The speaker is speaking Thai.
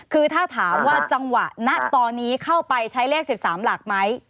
คือถ้าถามว่าจังหวะณตอนนี้เข้าไปใช้เลข๑๓หลักไหม